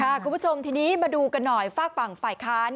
คุณผู้ชมทีนี้มาดูกันหน่อยฝากฝั่งฝ่ายค้าน